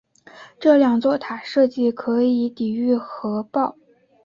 这两座塔设计成可以抵御核爆。